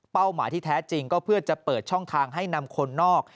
หมายที่แท้จริงก็เพื่อจะเปิดช่องทางให้นำคนนอก